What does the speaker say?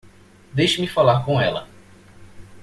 Deixe-me falar com ela.